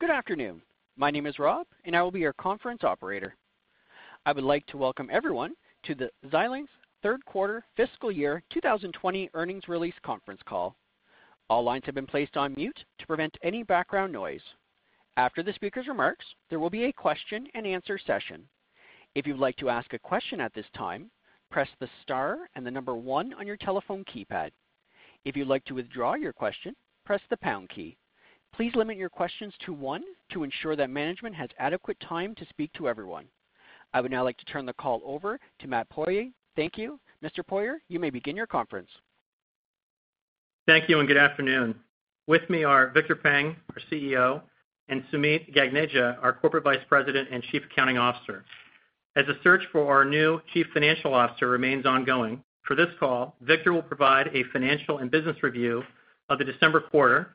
Good afternoon. My name is Rob, and I will be your conference operator. I would like to welcome everyone to the Xilinx third quarter fiscal year 2020 earnings release conference call. All lines have been placed on mute to prevent any background noise. After the speaker's remarks, there will be a question and answer session. If you'd like to ask a question at this time, press the star and the number one on your telephone keypad. If you'd like to withdraw your question, press the pound key. Please limit your questions to one to ensure that management has adequate time to speak to everyone. I would now like to turn the call over to Matt Poirier. Thank you. Mr. Poirier, you may begin your conference. Thank you, and good afternoon. With me are Victor Peng, our CEO, and Sumeet Gagneja, our Corporate Vice President and Chief Accounting Officer. As the search for our new chief financial officer remains ongoing, for this call, Victor will provide a financial and business review of the December quarter, and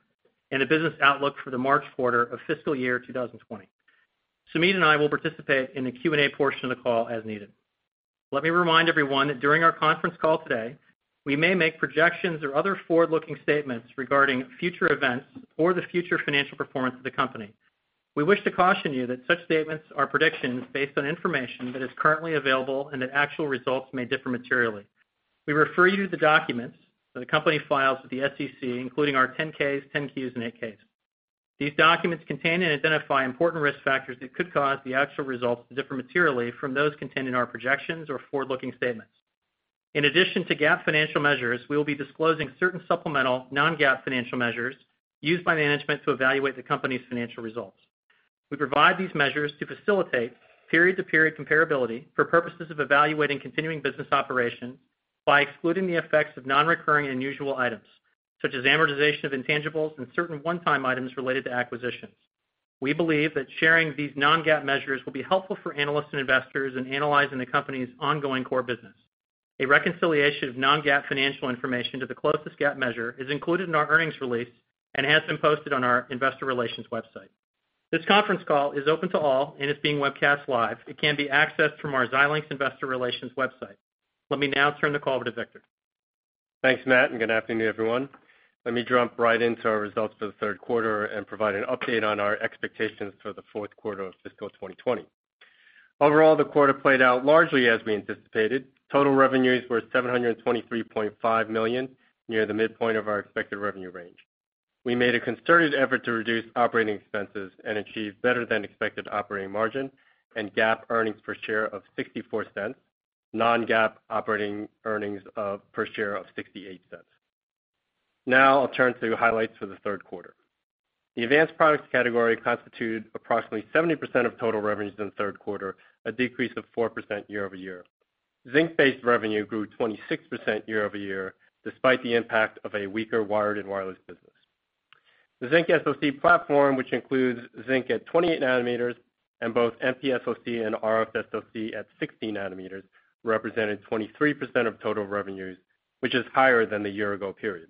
a business outlook for the March quarter of fiscal year 2020. Sumeet and I will participate in the Q&A portion of the call as needed. Let me remind everyone that during our conference call today, we may make projections or other forward-looking statements regarding future events or the future financial performance of the company. We wish to caution you that such statements are predictions based on information that is currently available, and that actual results may differ materially. We refer you to the documents that the company files with the SEC, including our 10-Ks, 10-Qs and 8-Ks. These documents contain and identify important risk factors that could cause the actual results to differ materially from those contained in our projections or forward-looking statements. In addition to GAAP financial measures, we will be disclosing certain supplemental non-GAAP financial measures used by management to evaluate the company's financial results. We provide these measures to facilitate period-to-period comparability for purposes of evaluating continuing business operation by excluding the effects of non-recurring and unusual items, such as amortization of intangibles and certain one-time items related to acquisitions. We believe that sharing these non-GAAP measures will be helpful for analysts and investors in analyzing the company's ongoing core business. A reconciliation of non-GAAP financial information to the closest GAAP measure is included in our earnings release and has been posted on our investor relations website. This conference call is open to all and is being webcast live. It can be accessed from our Xilinx investor relations website. Let me now turn the call over to Victor. Thanks, Matt, and good afternoon, everyone. Let me jump right into our results for the third quarter and provide an update on our expectations for the fourth quarter of FY 2020. Overall, the quarter played out largely as we anticipated. Total revenues were $723.5 million, near the midpoint of our expected revenue range. We made a concerted effort to reduce operating expenses and achieve better than expected operating margin and GAAP earnings per share of $0.64, non-GAAP operating earnings per share of $0.68. I'll turn to highlights for the third quarter. The advanced products category constituted approximately 70% of total revenues in the third quarter, a decrease of 4% year-over-year. Zynq-based revenue grew 26% year-over-year, despite the impact of a weaker wired and wireless business. The Zynq SoC platform, which includes Zynq at 28 nanometers and both MPSoC and RFSoC at 16 nanometers, represented 23% of total revenues, which is higher than the year ago period.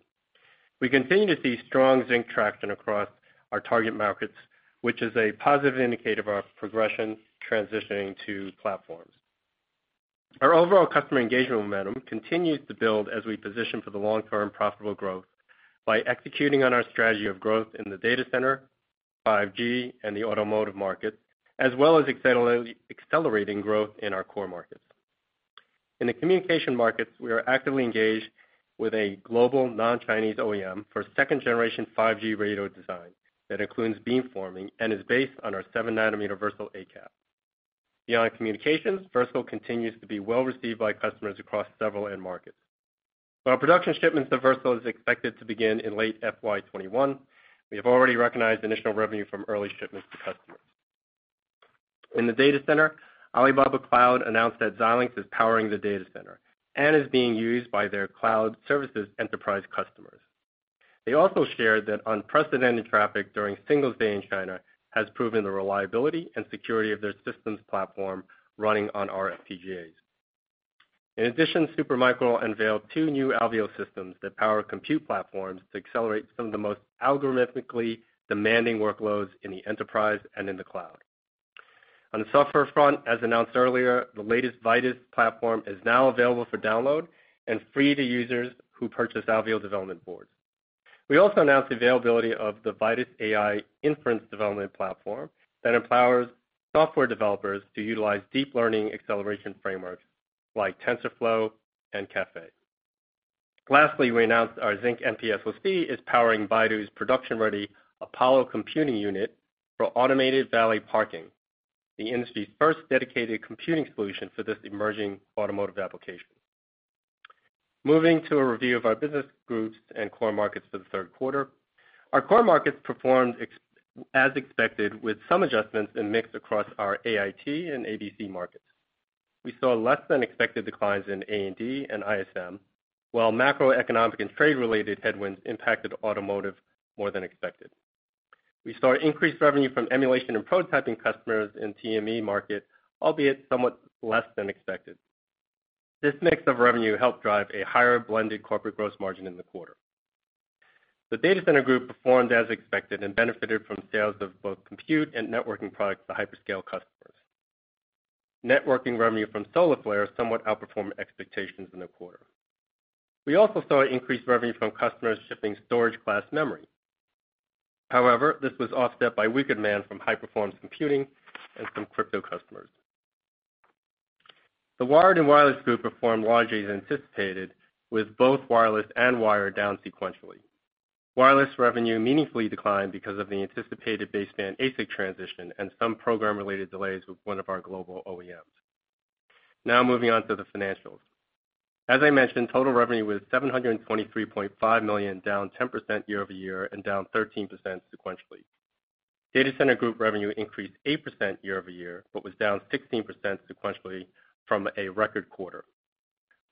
We continue to see strong Zynq traction across our target markets, which is a positive indicator of our progression transitioning to platforms. Our overall customer engagement momentum continues to build as we position for the long-term profitable growth by executing on our strategy of growth in the data center, 5G, and the automotive markets, as well as accelerating growth in our core markets. In the communication markets, we are actively engaged with a global non-Chinese OEM for second generation 5G radio design that includes beamforming and is based on our 7 nanometer Versal ACAP. Beyond communications, Versal continues to be well-received by customers across several end markets. While production shipments of Versal is expected to begin in late FY 2021, we have already recognized initial revenue from early shipments to customers. In the data center, Alibaba Cloud announced that Xilinx is powering the data center and is being used by their cloud services enterprise customers. They also shared that unprecedented traffic during Singles Day in China has proven the reliability and security of their systems platform running on our FPGAs. In addition, Supermicro unveiled two new Alveo systems that power compute platforms to accelerate some of the most algorithmically demanding workloads in the enterprise and in the cloud. On the software front, as announced earlier, the latest Vitis platform is now available for download and free to users who purchase Alveo development boards. We also announced availability of the Vitis AI inference development platform that empowers software developers to utilize deep learning acceleration frameworks like TensorFlow and Caffe. We announced our Zynq MPSoC is powering Baidu's production-ready Apollo computing unit for automated valet parking, the industry's first dedicated computing solution for this emerging automotive application. Moving to a review of our business groups and core markets for the third quarter. Our core markets performed as expected with some adjustments in mix across our AIT and ADC markets. We saw less than expected declines in A&D and ISM, while macroeconomic and trade-related headwinds impacted automotive more than expected. We saw increased revenue from emulation and prototyping customers in TME market, albeit somewhat less than expected. This mix of revenue helped drive a higher blended corporate gross margin in the quarter. The Data Center Group performed as expected and benefited from sales of both compute and networking products to hyperscale customers. Networking revenue from Solarflare somewhat outperformed expectations in the quarter. We also saw increased revenue from customers shipping storage class memory. However, this was offset by weak demand from high-performance computing and from crypto customers. The Wired and Wireless Group performed largely as anticipated, with both wireless and wired down sequentially. Wireless revenue meaningfully declined because of the anticipated baseband ASIC transition and some program-related delays with one of our global OEMs. Moving on to the financials. As I mentioned, total revenue was $723.5 million, down 10% year-over-year and down 13% sequentially. Data Center Group revenue increased 8% year-over-year, but was down 16% sequentially from a record quarter.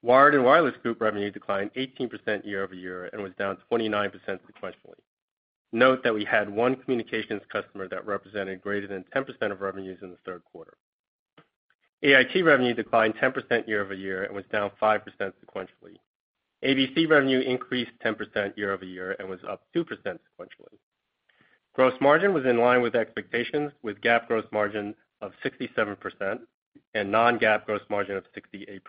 Wired and Wireless Group revenue declined 18% year-over-year and was down 29% sequentially. Note that we had one communications customer that represented greater than 10% of revenues in the third quarter. AIT revenue declined 10% year-over-year and was down 5% sequentially. ABC revenue increased 10% year-over-year and was up 2% sequentially. Gross margin was in line with expectations, with GAAP gross margin of 67% and non-GAAP gross margin of 68%.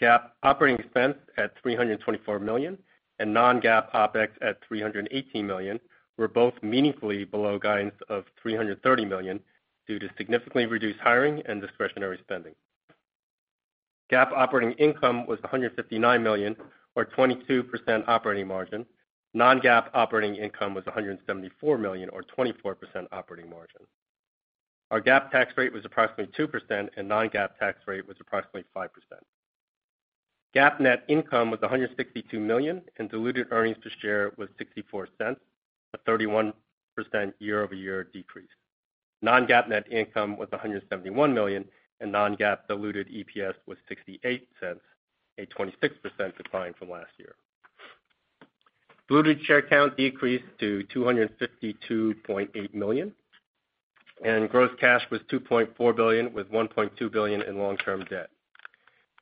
GAAP operating expense at $324 million and non-GAAP OpEx at $318 million were both meaningfully below guidance of $330 million due to significantly reduced hiring and discretionary spending. GAAP operating income was $159 million, or 22% operating margin. Non-GAAP operating income was $174 million or 24% operating margin. Our GAAP tax rate was approximately 2% and non-GAAP tax rate was approximately 5%. GAAP net income was $162 million, and diluted earnings per share was $0.64, a 31% year-over-year decrease. Non-GAAP net income was $171 million and non-GAAP diluted EPS was $0.68, a 26% decline from last year. Diluted share count decreased to 252.8 million, and gross cash was $2.4 billion with $1.2 billion in long-term debt.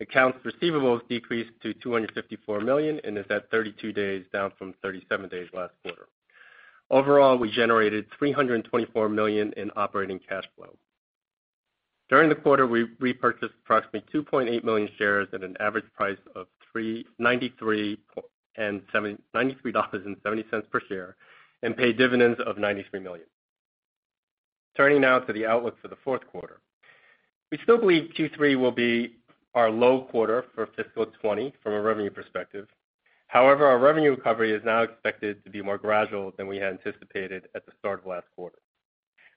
Accounts receivables decreased to $254 million and is at 32 days, down from 37 days last quarter. Overall, we generated $324 million in operating cash flow. During the quarter, we repurchased approximately 2.8 million shares at an average price of $93.70 per share and paid dividends of $93 million. Turning now to the outlook for the fourth quarter. We still believe Q3 will be our low quarter for fiscal 2020 from a revenue perspective. However, our revenue recovery is now expected to be more gradual than we had anticipated at the start of last quarter.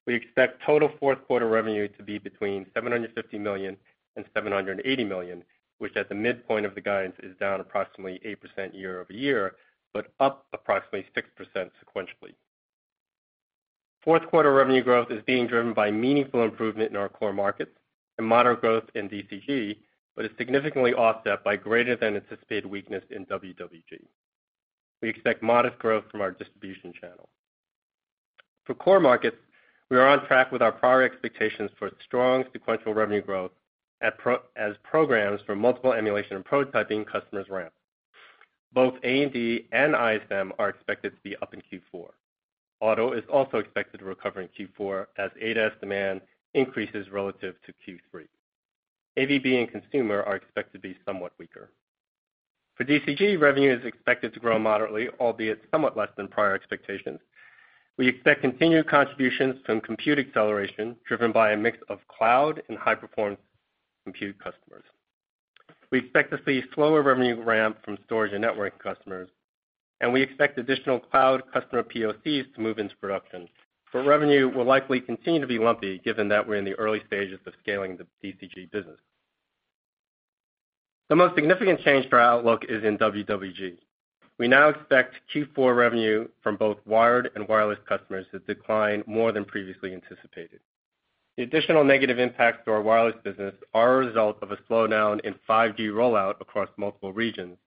We expect total fourth quarter revenue to be between $750 million and $780 million, which at the midpoint of the guidance is down approximately 8% year-over-year, but up approximately 6% sequentially. Fourth quarter revenue growth is being driven by meaningful improvement in our core markets and moderate growth in DCG, but is significantly offset by greater than anticipated weakness in WWG. We expect modest growth from our distribution channel. For core markets, we are on track with our prior expectations for strong sequential revenue growth as programs for multiple emulation and prototyping customers ramp. Both A&D and ISM are expected to be up in Q4. Auto is also expected to recover in Q4 as ADAS demand increases relative to Q3. A&B and Consumer are expected to be somewhat weaker. For DCG, revenue is expected to grow moderately, albeit somewhat less than prior expectations. We expect continued contributions from compute acceleration driven by a mix of cloud and high-performance compute customers. We expect to see slower revenue ramp from storage and networking customers. We expect additional cloud customer POCs to move into production. Revenue will likely continue to be lumpy, given that we're in the early stages of scaling the DCG business. The most significant change to our outlook is in WWG. We now expect Q4 revenue from both wired and wireless customers to decline more than previously anticipated. The additional negative impacts to our wireless business are a result of a slowdown in 5G rollout across multiple regions,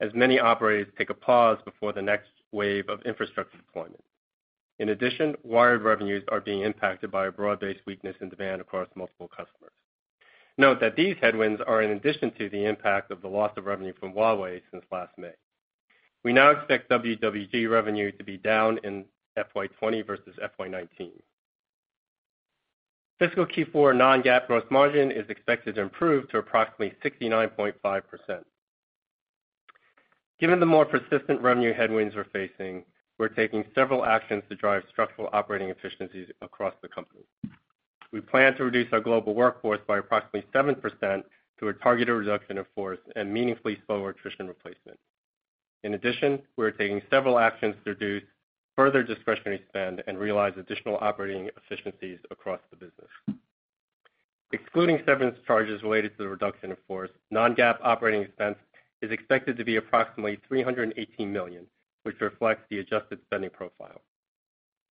as many operators take a pause before the next wave of infrastructure deployment. In addition, wired revenues are being impacted by a broad-based weakness in demand across multiple customers. Note that these headwinds are in addition to the impact of the loss of revenue from Huawei since last May. We now expect WWG revenue to be down in FY 2020 versus FY 2019. Fiscal Q4 non-GAAP gross margin is expected to improve to approximately 69.5%. Given the more persistent revenue headwinds we're facing, we're taking several actions to drive structural operating efficiencies across the company. We plan to reduce our global workforce by approximately 7% through a targeted reduction of force and meaningfully slower attrition replacement. In addition, we are taking several actions to reduce further discretionary spend and realize additional operating efficiencies across the business. Excluding severance charges related to the reduction of force, non-GAAP operating expense is expected to be approximately $318 million, which reflects the adjusted spending profile.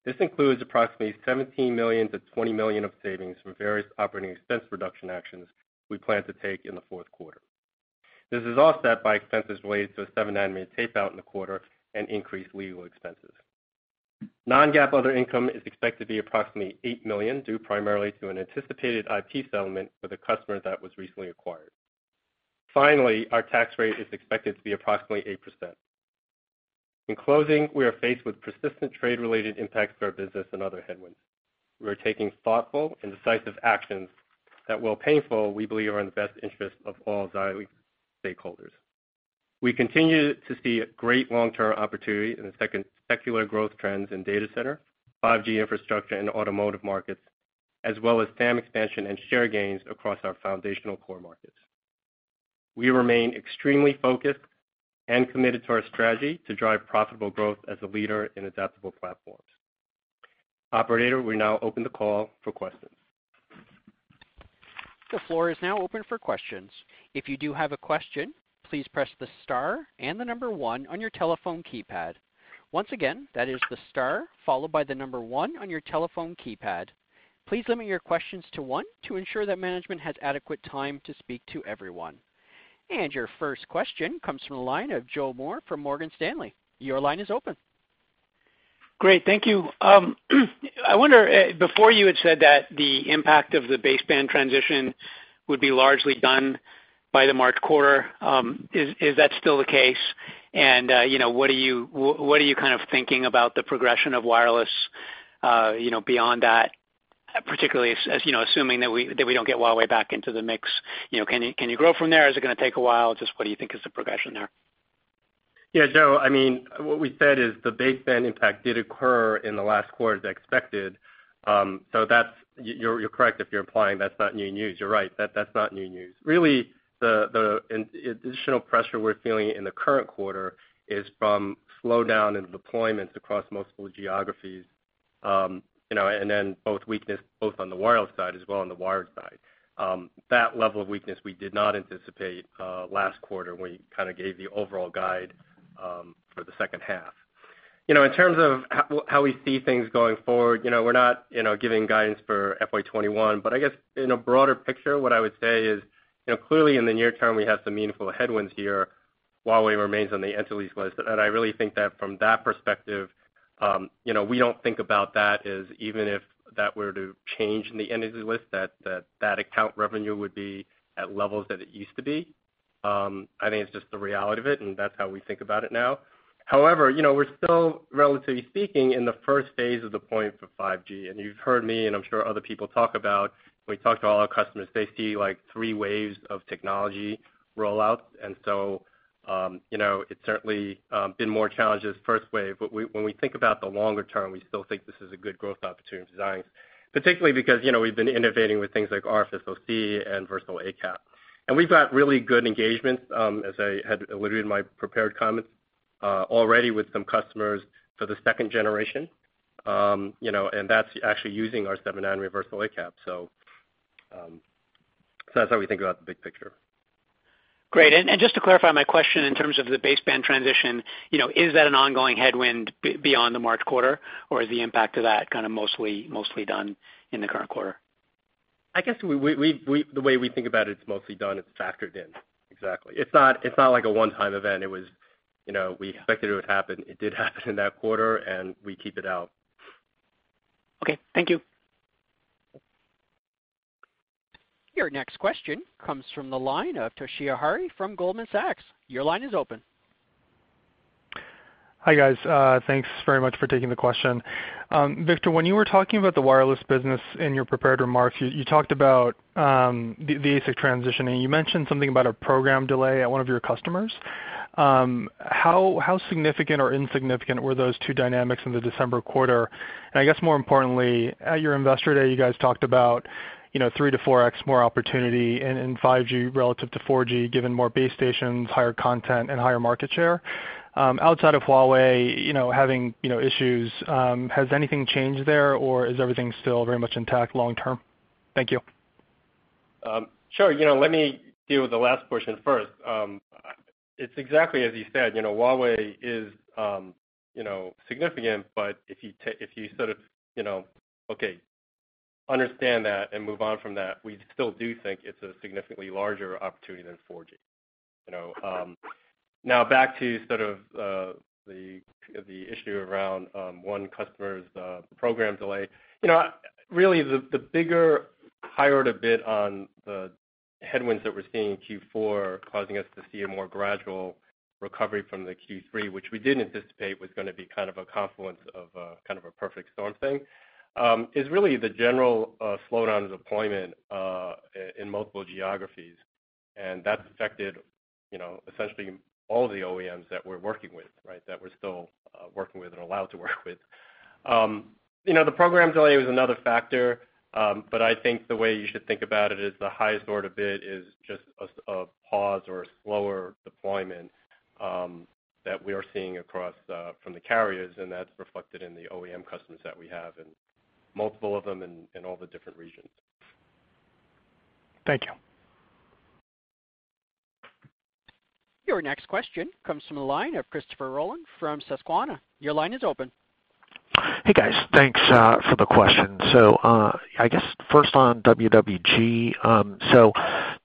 This includes approximately $17 million-$20 million of savings from various operating expense reduction actions we plan to take in the fourth quarter. This is offset by expenses related to a seven-nanometer tape out in the quarter and increased legal expenses. Non-GAAP other income is expected to be approximately $8 million, due primarily to an anticipated IP settlement with a customer that was recently acquired. Finally, our tax rate is expected to be approximately 8%. In closing, we are faced with persistent trade-related impacts to our business and other headwinds. We are taking thoughtful and decisive actions that, while painful, we believe are in the best interest of all Xilinx stakeholders. We continue to see great long-term opportunity in the secular growth trends in data center, 5G infrastructure, and automotive markets, as well as SAM expansion and share gains across our foundational core markets. We remain extremely focused and committed to our strategy to drive profitable growth as a leader in adaptable platforms. Operator, we now open the call for questions. The floor is now open for questions. If you do have a question, please press the star and the number 1 on your telephone keypad. Once again, that is the star, followed by the number 1 on your telephone keypad. Please limit your questions to one to ensure that management has adequate time to speak to everyone. Your first question comes from the line of Joseph Moore from Morgan Stanley. Your line is open. Great. Thank you. I wonder, before you had said that the impact of the baseband transition would be largely done by the March quarter. Is that still the case? What are you thinking about the progression of wireless beyond that, particularly assuming that we don't get Huawei back into the mix. Can you grow from there? Is it going to take a while? Just what do you think is the progression there? Yeah, Joe, what we said is the baseband impact did occur in the last quarter as expected. You're correct if you're implying that's not new news. You're right. That's not new news. Really, the additional pressure we're feeling in the current quarter is from slowdown in deployments across multiple geographies, then both weakness both on the wireless side as well on the wired side. That level of weakness we did not anticipate last quarter when we gave the overall guide for the second half. In terms of how we see things going forward, we're not giving guidance for FY 2021, I guess in a broader picture, what I would say is, clearly in the near term, we have some meaningful headwinds here. Huawei remains on the Entity List, I really think that from that perspective, we don't think about that as even if that were to change in the Entity List, that account revenue would be at levels that it used to be. I think it's just the reality of it, that's how we think about it now. However, we're still, relatively speaking, in the first phase of the point for 5G, and you've heard me, and I'm sure other people talk about, we talk to all our customers, they see like three waves of technology roll-outs. It's certainly been more challenging this first wave. When we think about the longer term, we still think this is a good growth opportunity for Xilinx, particularly because we've been innovating with things like Artix SoC and Versal ACAP. We've got really good engagements, as I had alluded in my prepared comments, already with some customers for the second generation, and that's actually using our seven nanometer Versal ACAP. That's how we think about the big picture. Great. Just to clarify my question in terms of the baseband transition, is that an ongoing headwind beyond the March quarter, or is the impact of that mostly done in the current quarter? I guess, the way we think about it's mostly done. It's factored in. Exactly. It's not like a one-time event. We expected it would happen. It did happen in that quarter. We keep it out. Okay. Thank you. Your next question comes from the line of Toshiya Hari from Goldman Sachs. Your line is open. Hi, guys. Thanks very much for taking the question. Victor, when you were talking about the wireless business in your prepared remarks, you talked about the ASIC transition, and you mentioned something about a program delay at one of your customers. How significant or insignificant were those two dynamics in the December quarter? I guess more importantly, at your Investor Day, you guys talked about 3x-4x more opportunity in 5G relative to 4G, given more base stations, higher content, and higher market share. Outside of Huawei having issues, has anything changed there, or is everything still very much intact long term? Thank you. Sure. Let me deal with the last portion first. It's exactly as you said. Huawei is significant, but if you sort of understand that and move on from that, we still do think it's a significantly larger opportunity than 4G. Now, back to sort of the issue around one customer's program delay. Really, the bigger higher order bid on the headwinds that we're seeing in Q4 causing us to see a more gradual recovery from the Q3, which we did anticipate was going to be a confluence of a perfect storm thing, is really the general slowdown of deployment in multiple geographies. That's affected essentially all of the OEMs that we're working with. That we're still working with and allowed to work with. The program delay was another factor, but I think the way you should think about it is the highest order bid is just a pause or a slower deployment that we are seeing across from the carriers, and that's reflected in the OEM customers that we have, and multiple of them in all the different regions. Thank you. Your next question comes from the line of Christopher Rolland from Susquehanna. Your line is open. Hey, guys. Thanks for the question. I guess first on WWG,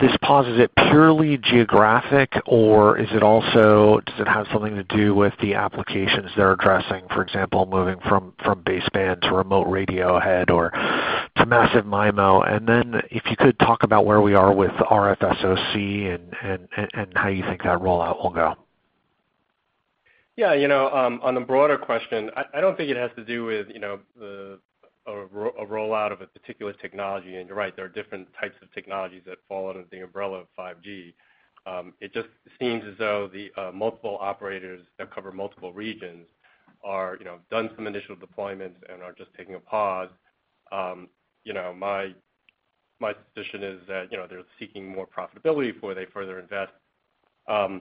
this pause, is it purely geographic, or does it have something to do with the applications they're addressing? For example, moving from baseband to remote radio ahead or To massive MIMO. If you could talk about where we are with RFSoC and how you think that rollout will go. Yeah. On the broader question, I don't think it has to do with a rollout of a particular technology. You're right, there are different types of technologies that fall under the umbrella of 5G. It just seems as though the multiple operators that cover multiple regions have done some initial deployments and are just taking a pause. My position is that they're seeking more profitability before they further invest. In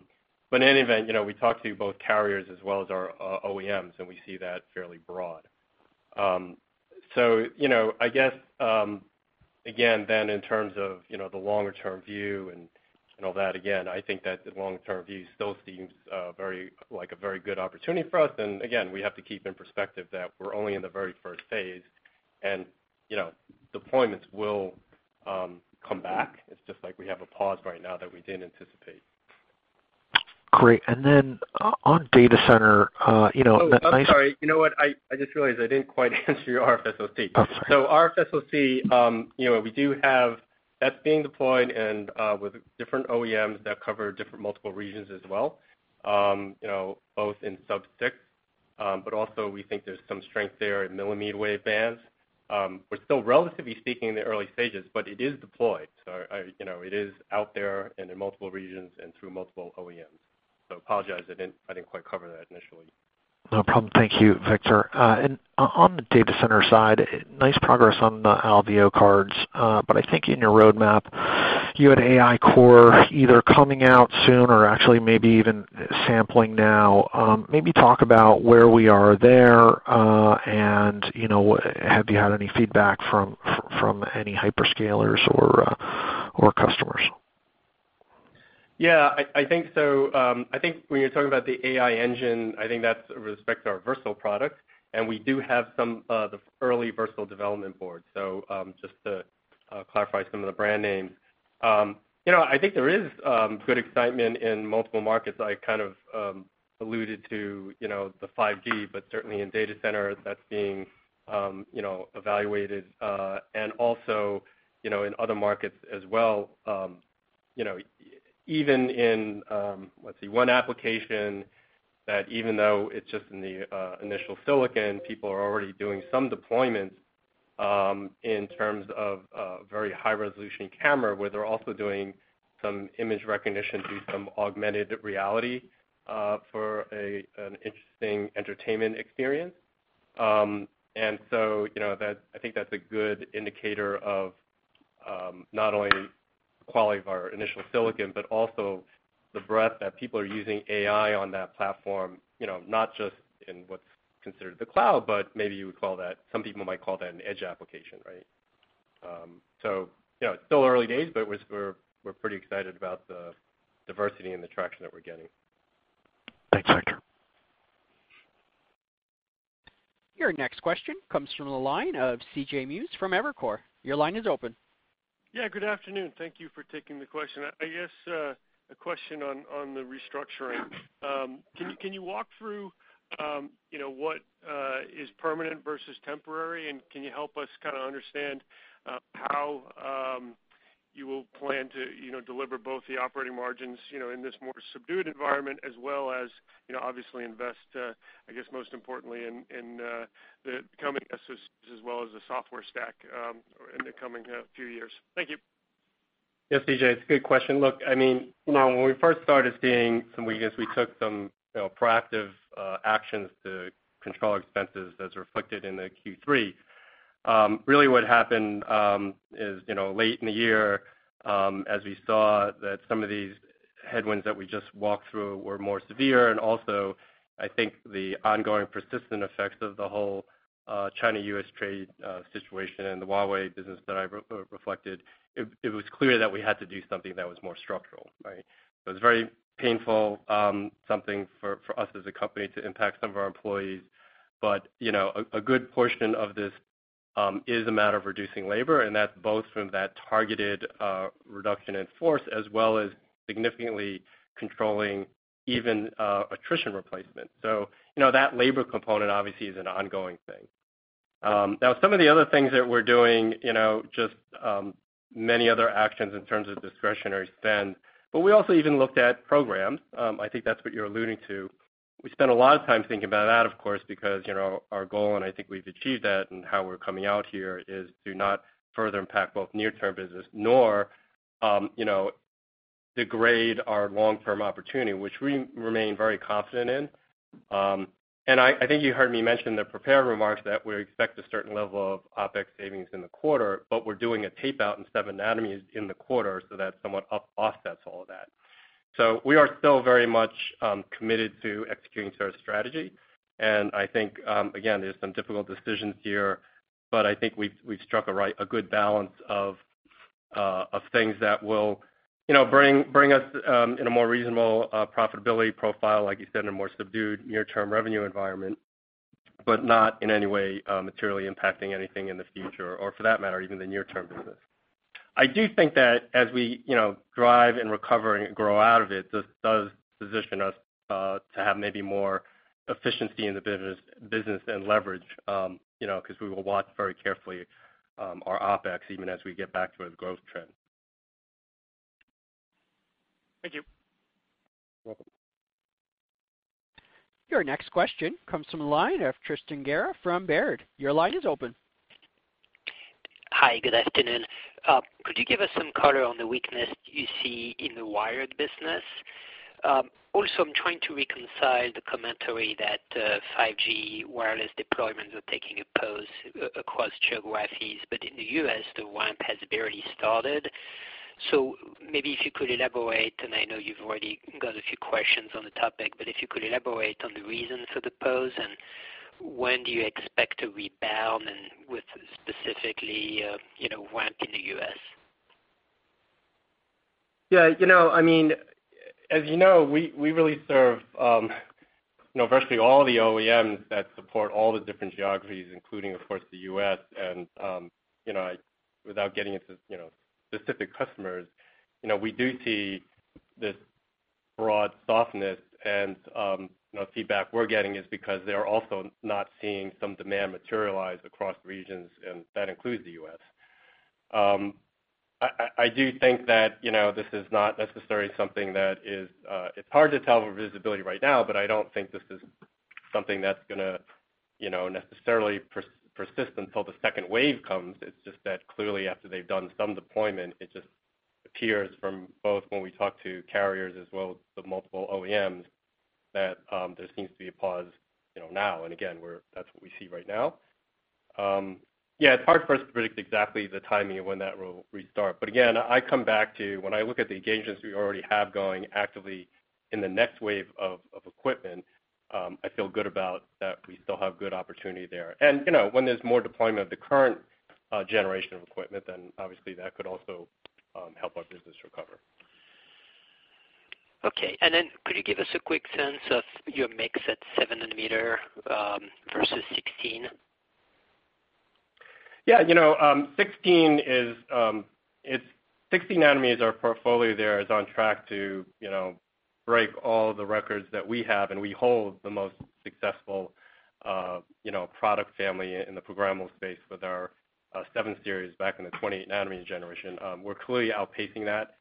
any event, we talk to both carriers as well as our OEMs, and we see that fairly broad. I guess, again, then in terms of the longer-term view and all that, again, I think that the longer-term view still seems like a very good opportunity for us. Again, we have to keep in perspective that we're only in the very first phase, and deployments will come back. It's just like we have a pause right now that we didn't anticipate. Great. Then on data center- I'm sorry. You know what? I just realized I didn't quite answer your RFSoC. Sorry. RFSoC, that's being deployed and with different OEMs that cover different multiple regions as well, both in sub-6. Also, we think there's some strength there in millimeter wave bands. We're still, relatively speaking, in the early stages, but it is deployed. It is out there and in multiple regions and through multiple OEMs. Apologize I didn't quite cover that initially. No problem. Thank you, Victor. On the data center side, nice progress on the Alveo cards. I think in your roadmap, you had AI Engine either coming out soon or actually maybe even sampling now. Talk about where we are there, and have you had any feedback from any hyperscalers or customers? I think when you're talking about the AI Engine, I think that's with respect to our Versal product. We do have some of the early Versal development boards, just to clarify some of the brand names. I think there is good excitement in multiple markets. I kind of alluded to the 5G. Certainly in data centers, that's being evaluated. Also, in other markets as well, even in, let's see, one application, that even though it's just in the initial silicon, people are already doing some deployments in terms of a very high-resolution camera, where they're also doing some image recognition through some augmented reality for an interesting entertainment experience. I think that's a good indicator of not only the quality of our initial silicon, but also the breadth that people are using AI on that platform, not just in what's considered the cloud. Maybe some people might call that an edge application, right. It's still early days, but we're pretty excited about the diversity and the traction that we're getting. Thanks, Victor. Your next question comes from the line of C.J. Muse from Evercore. Your line is open. Yeah. Good afternoon. Thank you for taking the question. I guess a question on the restructuring. Yeah. Can you walk through what is permanent versus temporary, and can you help us kind of understand how you will plan to deliver both the operating margins in this more subdued environment as well as obviously invest, I guess, most importantly in the coming as well as the software stack in the coming few years? Thank you. Yes, C.J., it's a good question. Look, when we first started seeing some, I guess we took some proactive actions to control our expenses as reflected in the Q3. Really what happened is late in the year, as we saw that some of these headwinds that we just walked through were more severe, and also I think the ongoing persistent effects of the whole China-U.S. trade situation and the Huawei business that I reflected, it was clear that we had to do something that was more structural, right? It was very painful, something for us as a company to impact some of our employees. A good portion of this is a matter of reducing labor, and that's both from that targeted reduction in force as well as significantly controlling even attrition replacement. That labor component obviously is an ongoing thing. Some of the other things that we're doing, just many other actions in terms of discretionary spend, but we also even looked at programs. I think that's what you're alluding to. We spent a lot of time thinking about that, of course, because our goal, I think we've achieved that in how we're coming out here, is to not further impact both near-term business nor degrade our long-term opportunity, which we remain very confident in. I think you heard me mention in the prepared remarks that we expect a certain level of OpEx savings in the quarter, but we're doing a tape-out in seven nanometers in the quarter, so that somewhat offsets all of that. We are still very much committed to executing to our strategy. I think, again, there's some difficult decisions here, but I think we've struck a good balance of things that will bring us in a more reasonable profitability profile, like you said, in a more subdued near-term revenue environment, but not in any way materially impacting anything in the future or for that matter, even the near-term business. I do think that as we drive and recover and grow out of it, this does position us to have maybe more efficiency in the business and leverage, because we will watch very carefully our OpEx even as we get back to a growth trend. Thank you. You're welcome. Your next question comes from the line of Tristan Gerra from Baird. Your line is open. Hi, good afternoon. Could you give us some color on the weakness you see in the wired business? Also, I'm trying to reconcile the commentary that 5G wireless deployments are taking a pause across geographies, but in the U.S., the ramp has barely started. Maybe if you could elaborate, and I know you've already got a few questions on the topic, but if you could elaborate on the reason for the pause, and when do you expect to rebound and with, specifically, ramp in the U.S.? Yeah. As you know, we really serve virtually all the OEMs that support all the different geographies, including, of course, the U.S. Without getting into specific customers, we do see this broad softness, and feedback we're getting is because they're also not seeing some demand materialize across regions, and that includes the U.S. I do think that this is not necessarily something. It's hard to tell with visibility right now, but I don't think this is something that's going to necessarily persist until the second wave comes. It's just that clearly, after they've done some deployment, it just appears from both when we talk to carriers as well as the multiple OEMs, that there seems to be a pause now. Again, that's what we see right now. Yeah, it's hard for us to predict exactly the timing of when that will restart. Again, I come back to when I look at the engagements we already have going actively in the next wave of equipment, I feel good about that we still have good opportunity there. When there's more deployment of the current generation of equipment, obviously that could also help our business recover. Okay. Could you give us a quick sense of your mix at seven nanometer versus 16? 16 nanometer, our portfolio there is on track to break all the records that we have, and we hold the most successful product family in the programmable space with our 7 Series back in the 20 nanometer generation. We're clearly outpacing that,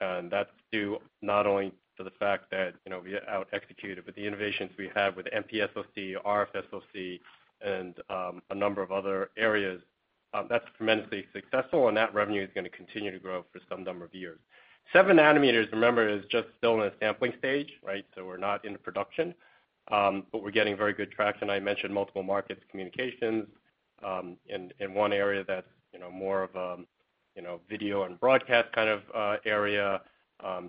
and that's due not only to the fact that we out executed, but the innovations we have with MPSoC, RFSoC, and a number of other areas. That's tremendously successful, that revenue is going to continue to grow for some number of years. seven nanometers, remember, is just still in a sampling stage, right? We're not in production. We're getting very good traction. I mentioned multiple markets, communications, in one area that's more of video and broadcast kind of area.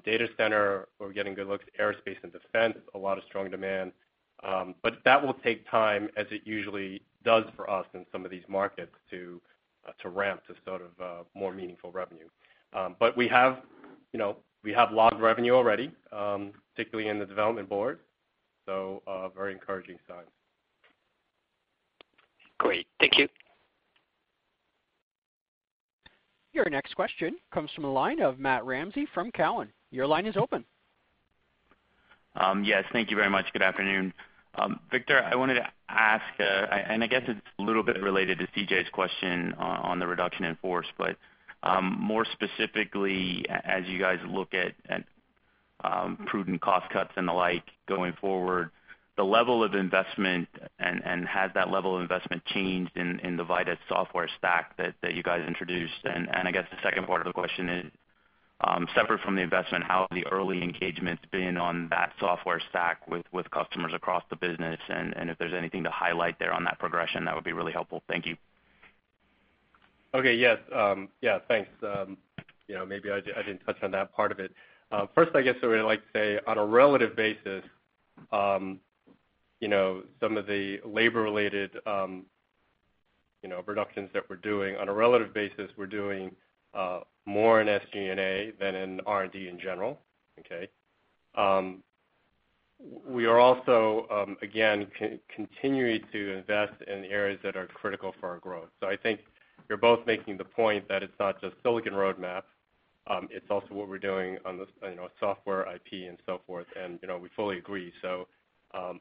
Data Center, we're getting good looks. Aerospace and Defense, a lot of strong demand. That will take time, as it usually does for us in some of these markets, to ramp to sort of more meaningful revenue. We have logged revenue already, particularly in the development board, so a very encouraging sign. Great. Thank you. Your next question comes from the line of Matthew Ramsay from Cowen. Your line is open. Yes, thank you very much. Good afternoon. Victor, I wanted to ask, I guess it's a little bit related to C.J.'s question on the reduction in force, but more specifically, as you guys look at prudent cost cuts and the like going forward, the level of investment, and has that level of investment changed in the Vitis software stack that you guys introduced? I guess the second part of the question is, separate from the investment, how have the early engagements been on that software stack with customers across the business? And if there's anything to highlight there on that progression, that would be really helpful. Thank you. Okay. Yes, thanks. Maybe I didn't touch on that part of it. First, I guess I would like to say on a relative basis, some of the labor-related reductions that we're doing, on a relative basis, we're doing more in SG&A than in R&D in general. Okay. We are also, again, continuing to invest in areas that are critical for our growth. I think you're both making the point that it's not just silicon roadmap, it's also what we're doing on the software IP and so forth, and we fully agree.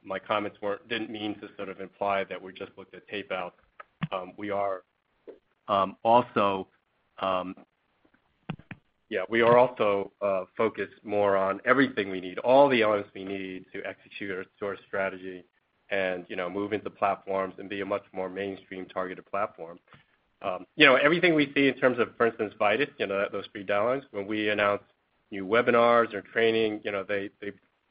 My comments didn't mean to sort of imply that we just looked at tape out. We are also focused more on everything we need, all the elements we need to execute our source strategy and move into platforms and be a much more mainstream-targeted platform. Everything we see in terms of, for instance, Vitis, those three dialers, when we announce new webinars or training, they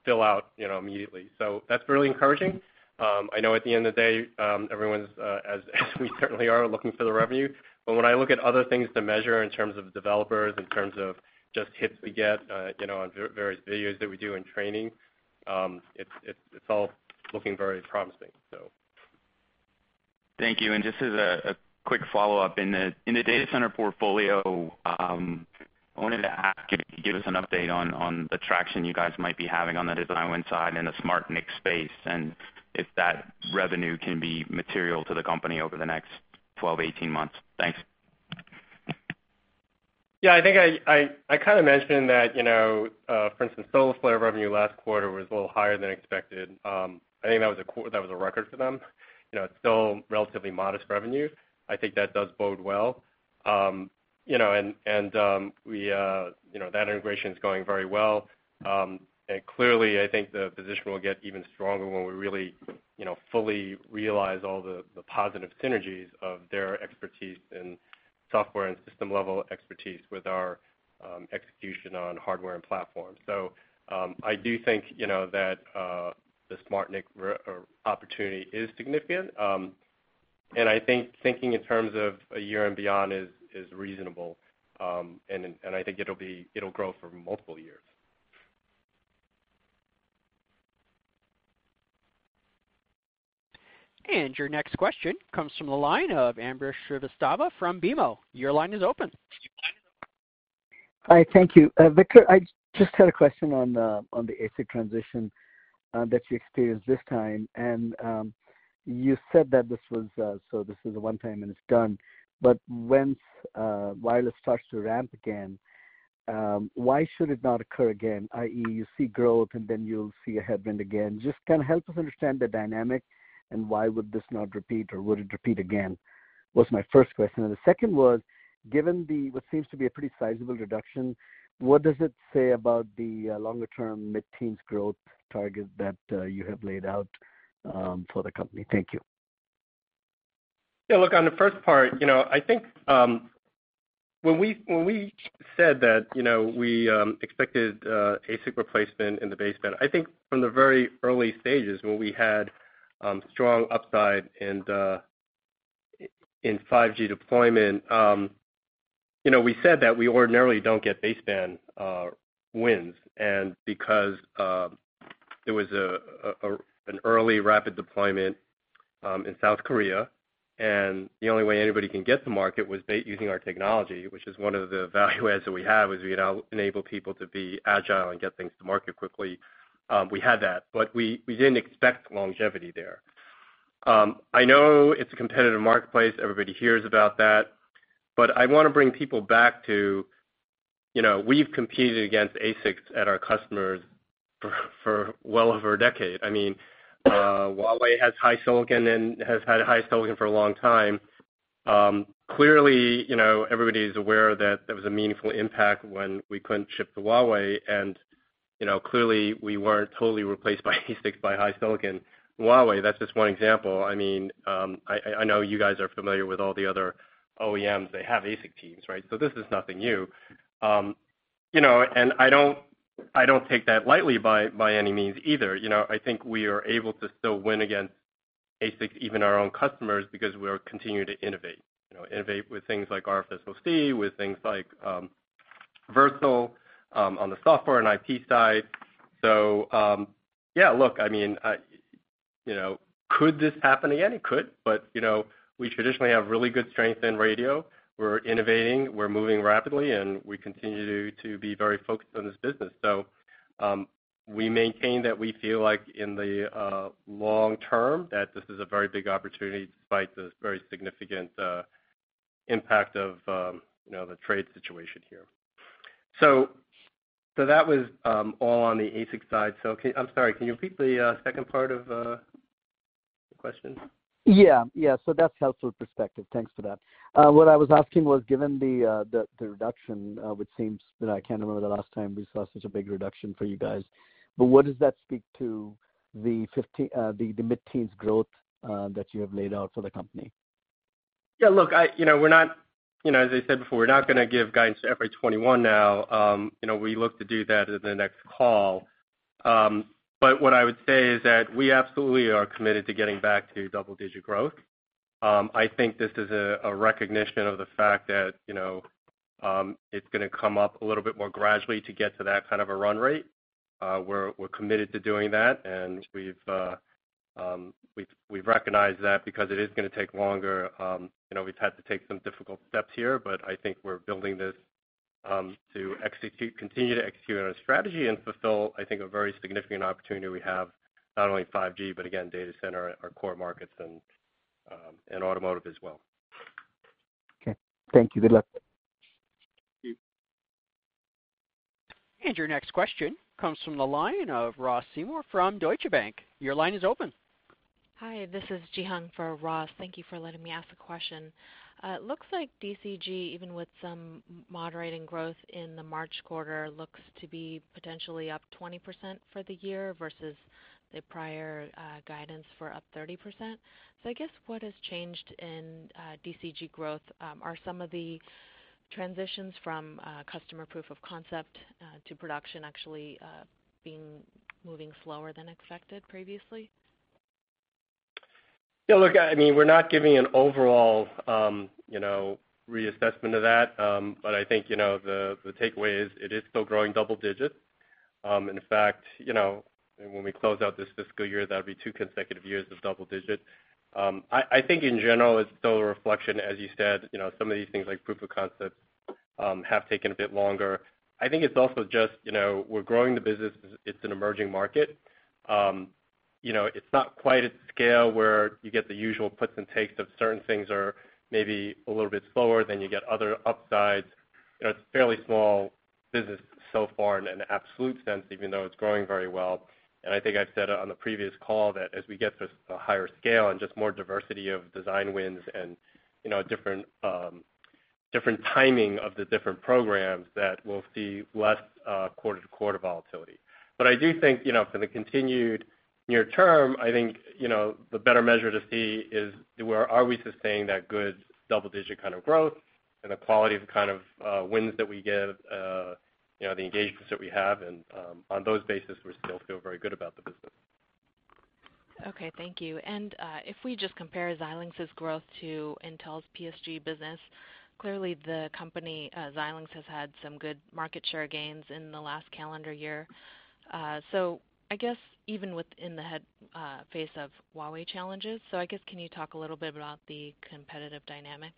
fill out immediately. That's really encouraging. I know at the end of the day, everyone's, as we certainly are, looking for the revenue. When I look at other things to measure in terms of developers, in terms of just hits we get on various videos that we do and training, it's all looking very promising. Thank you. Just as a quick follow-up, in the data center portfolio, I wanted to ask you to give us an update on the traction you guys might be having on the design win side in the SmartNIC space, and if that revenue can be material to the company over the next 12, 18 months. Thanks. I think I kind of mentioned that, for instance, Solarflare revenue last quarter was a little higher than expected. I think that was a record for them. It's still relatively modest revenue. I think that does bode well. That integration is going very well. Clearly, I think the position will get even stronger when we really fully realize all the positive synergies of their expertise in software and system-level expertise with our execution on hardware and platform. I do think that the SmartNIC opportunity is significant. I think thinking in terms of a year and beyond is reasonable. I think it'll grow for multiple years. Your next question comes from the line of Ambrish Srivastava from BMO. Your line is open. Hi, thank you. Victor, I just had a question on the ASIC transition that you experienced this time. You said that this was a one time and it's done. Once wireless starts to ramp again, why should it not occur again, i.e., you see growth and then you'll see a headwind again? Just kind of help us understand the dynamic and why would this not repeat, or would it repeat again, was my first question. The second was, given what seems to be a pretty sizable reduction, what does it say about the longer-term mid-teens growth target that you have laid out for the company? Thank you. Yeah, look, on the first part, I think when we said that we expected ASIC replacement in the baseband. I think from the very early stages when we had strong upside in 5G deployment, we said that we ordinarily don't get baseband wins. Because there was an early rapid deployment in South Korea, and the only way anybody can get to market was using our technology, which is one of the value adds that we have, is we enable people to be agile and get things to market quickly. We had that. We didn't expect longevity there. I know it's a competitive marketplace. Everybody hears about that. I want to bring people back to, we've competed against ASICs at our customers for well over a decade. Huawei has HiSilicon and has had HiSilicon for a long time. Clearly, everybody's aware that there was a meaningful impact when we couldn't ship to Huawei, and clearly we weren't totally replaced by HiSilicon. Huawei, that's just one example. I know you guys are familiar with all the other OEMs. They have ASIC teams, right? This is nothing new. I don't take that lightly by any means either. I think we are able to still win against ASIC, even our own customers, because we are continuing to innovate. Innovate with things like RFSoC, with things like Versal on the software and IP side. Yeah, look, could this happen again? It could. We traditionally have really good strength in radio. We're innovating, we're moving rapidly, and we continue to be very focused on this business. We maintain that we feel like in the long term that this is a very big opportunity despite the very significant impact of the trade situation here. That was all on the ASIC side. I'm sorry, can you repeat the second part of the question? Yeah. That's helpful perspective. Thanks for that. What I was asking was, given the reduction, which seems that I can't remember the last time we saw such a big reduction for you guys, but what does that speak to the mid-teens growth that you have laid out for the company? Yeah, look, as I said before, we're not going to give guidance to FY 2021 now. We look to do that in the next call. What I would say is that we absolutely are committed to getting back to double-digit growth. I think this is a recognition of the fact that it's going to come up a little bit more gradually to get to that kind of a run rate. We're committed to doing that, and we've recognized that because it is going to take longer. We've had to take some difficult steps here, but I think we're building this to continue to execute on our strategy and fulfill, I think, a very significant opportunity we have, not only 5G, but again, data center, our core markets, and automotive as well. Okay. Thank you. Good luck. Thank you. Your next question comes from the line of Ross Seymore from Deutsche Bank. Your line is open. Hi, this is Ji Hang for Ross. Thank you for letting me ask a question. Looks like DCG, even with some moderating growth in the March quarter, looks to be potentially up 20% for the year versus the prior guidance for up 30%. I guess what has changed in DCG growth? Are some of the transitions from customer proof of concept to production actually moving slower than expected previously? Yeah, look, we're not giving an overall reassessment of that. I think, the takeaway is it is still growing double digits. In fact, when we close out this fiscal year, that'll be two consecutive years of double digits. I think in general it's still a reflection, as you said, some of these things like proof of concept have taken a bit longer. I think it's also just we're growing the business. It's an emerging market. It's not quite at scale where you get the usual puts and takes of certain things are maybe a little bit slower than you get other upsides. It's fairly small business so far in an absolute sense, even though it's growing very well, and I think I've said it on the previous call that as we get to a higher scale and just more diversity of design wins and different timing of the different programs, that we'll see less quarter-to-quarter volatility. I do think for the continued near term, I think, the better measure to see is are we sustaining that good double-digit kind of growth and the quality of wins that we get, the engagements that we have, and on those bases, we still feel very good about the business. Okay. Thank you. If we just compare Xilinx's growth to Intel's PSG business, clearly the company, Xilinx, has had some good market share gains in the last calendar year. I guess even within the head face of Huawei challenges. I guess, can you talk a little bit about the competitive dynamic?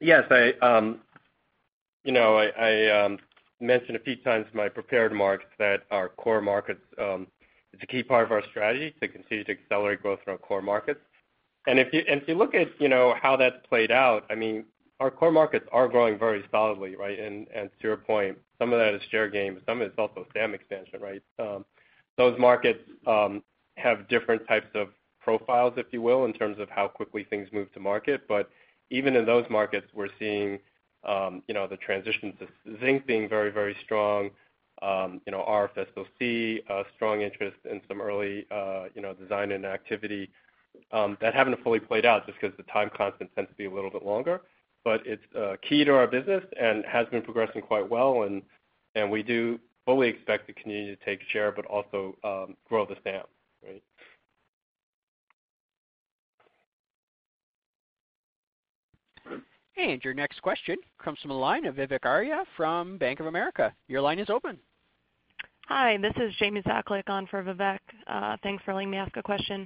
Yes. I mentioned a few times in my prepared remarks that our core markets, it's a key part of our strategy to continue to accelerate growth in our core markets. If you look at how that's played out, our core markets are growing very solidly, right? To your point, some of that is share gain, but some of it is also SAM expansion, right? Those markets have different types of profiles, if you will, in terms of how quickly things move to market. Even in those markets, we're seeing the transitions of Zynq being very, very strong. RFSoC, a strong interest in some early design-in activity that haven't fully played out just because the time constant tends to be a little bit longer. It's key to our business and has been progressing quite well, we do fully expect to continue to take share but also grow the SAM. Right? Your next question comes from the line of Vivek Arya from Bank of America. Your line is open. Hi, this is Jamie Zakalik on for Vivek. Thanks for letting me ask a question.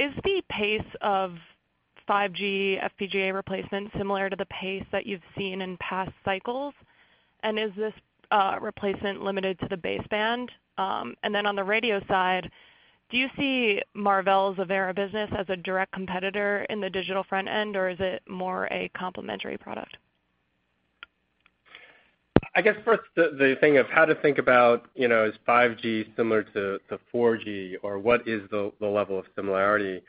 Is the pace of 5G FPGA replacement similar to the pace that you've seen in past cycles? Is this replacement limited to the baseband? On the radio side, do you see Marvell's Avera business as a direct competitor in the digital front end, or is it more a complementary product? I guess first the thing of how to think about is 5G similar to 4G or what is the level of similarity?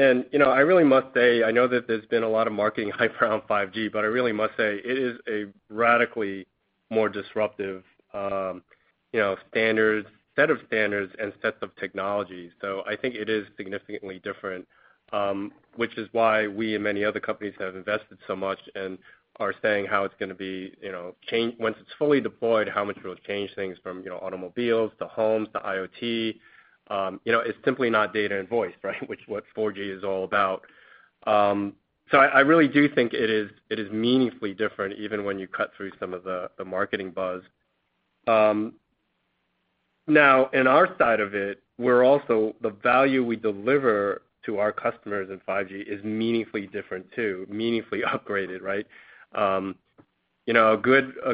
I really must say, I know that there's been a lot of marketing hype around 5G, I really must say it is a radically more disruptive set of standards and sets of technologies. I think it is significantly different, which is why we and many other companies have invested so much and are saying how it's going to change once it's fully deployed, how much it will change things from automobiles to homes to IoT. It's simply not data and voice, right? Which is what 4G is all about. I really do think it is meaningfully different, even when you cut through some of the marketing buzz. Now, in our side of it, the value we deliver to our customers in 5G is meaningfully different, too. Meaningfully upgraded. Right? A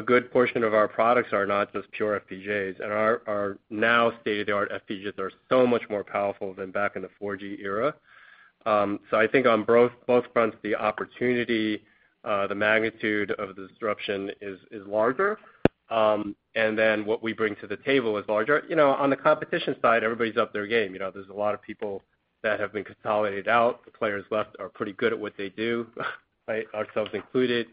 good portion of our products are not just pure FPGAs, and our now state-of-the-art FPGAs are so much more powerful than back in the 4G era. I think on both fronts, the opportunity, the magnitude of the disruption is larger. What we bring to the table is larger. On the competition side, everybody's upped their game. There's a lot of people that have been consolidated out. The players left are pretty good at what they do, ourselves included.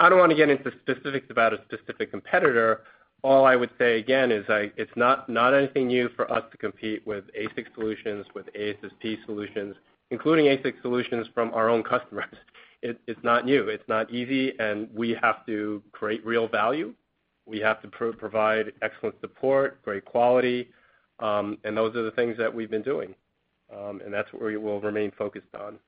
I don't want to get into specifics about a specific competitor. All I would say again is it's not anything new for us to compete with ASIC solutions, with ASSP solutions, including ASIC solutions from our own customers. It's not new. It's not easy, we have to create real value. We have to provide excellent support, great quality, those are the things that we've been doing. That's what we will remain focused on.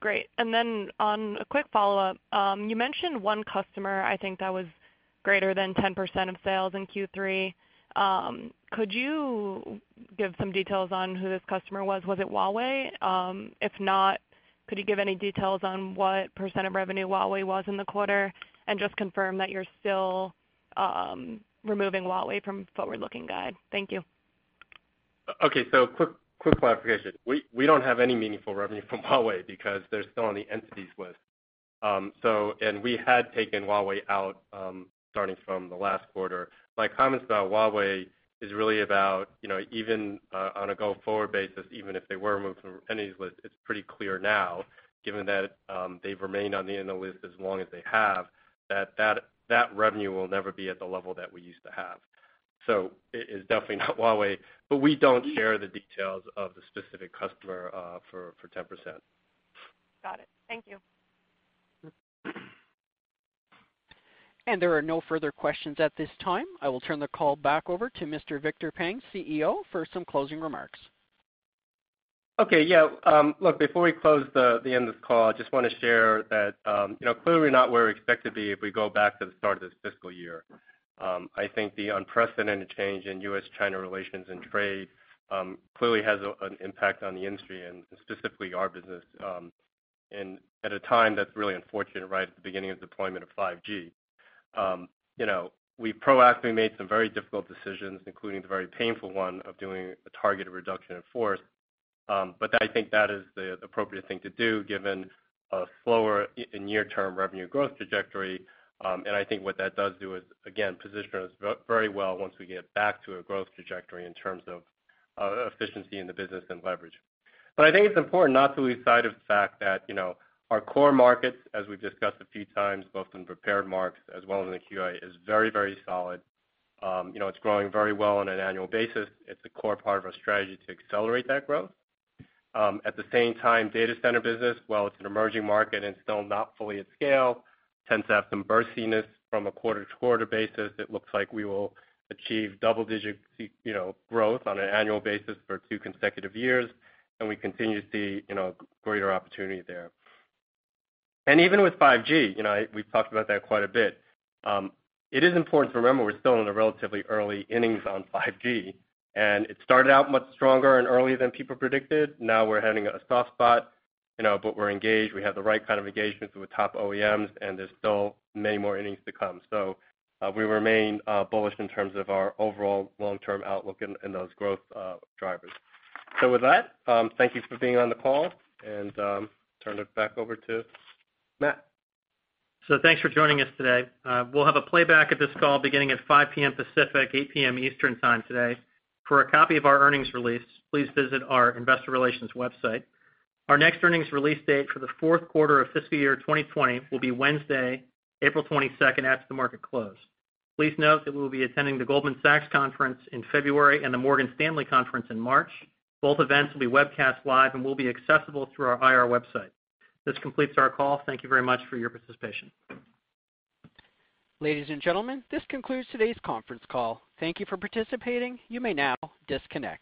Great. On a quick follow-up, you mentioned one customer, I think that was greater than 10% of sales in Q3. Could you give some details on who this customer was? Was it Huawei? If not, could you give any details on what % of revenue Huawei was in the quarter? Just confirm that you're still removing Huawei from forward-looking guide. Thank you. Okay. Quick clarification. We don't have any meaningful revenue from Huawei because they're still on the Entity List. We had taken Huawei out starting from the last quarter. My comments about Huawei is really about even on a go-forward basis, even if they were removed from the Entity List, it's pretty clear now, given that they've remained on the Entity List as long as they have, that revenue will never be at the level that we used to have. It is definitely not Huawei, but we don't share the details of the specific customer for 10%. Got it. Thank you. There are no further questions at this time. I will turn the call back over to Mr. Victor Peng, CEO, for some closing remarks. Okay. Yeah. Look, before we close the end of this call, I just want to share that clearly not where we expect to be if we go back to the start of this fiscal year. I think the unprecedented change in U.S.-China relations and trade clearly has an impact on the industry and specifically our business, and at a time that's really unfortunate, right at the beginning of deployment of 5G. We proactively made some very difficult decisions, including the very painful one of doing a targeted reduction in force. I think that is the appropriate thing to do given a slower in near-term revenue growth trajectory. I think what that does do is, again, position us very well once we get back to a growth trajectory in terms of efficiency in the business and leverage. I think it's important not to lose sight of the fact that our core markets, as we've discussed a few times, both in prepared remarks as well as in the QA, is very solid. It's growing very well on an annual basis. It's a core part of our strategy to accelerate that growth. At the same time, data center business, while it's an emerging market and still not fully at scale, tends to have some burstiness from a quarter-to-quarter basis. It looks like we will achieve double-digit growth on an annual basis for two consecutive years, and we continue to see greater opportunity there. Even with 5G, we've talked about that quite a bit. It is important to remember we're still in the relatively early innings on 5G, and it started out much stronger and earlier than people predicted. Now we're having a soft spot, but we're engaged. We have the right kind of engagement with the top OEMs, and there's still many more innings to come. We remain bullish in terms of our overall long-term outlook in those growth drivers. With that, thank you for being on the call, and turn it back over to Matt. Thanks for joining us today. We'll have a playback of this call beginning at 5:00 P.M. Pacific, 8:00 P.M. Eastern Time today. For a copy of our earnings release, please visit our investor relations website. Our next earnings release date for the fourth quarter of fiscal year 2020 will be Wednesday, April 22nd, after the market close. Please note that we will be attending the Goldman Sachs conference in February and the Morgan Stanley conference in March. Both events will be webcast live and will be accessible through our IR website. This completes our call. Thank you very much for your participation. Ladies and gentlemen, this concludes today's conference call. Thank you for participating. You may now disconnect.